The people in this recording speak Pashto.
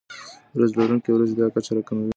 وریځ لرونکي ورځې دا کچه راکموي.